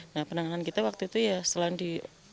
nah penanganan kita waktu itu ya selain di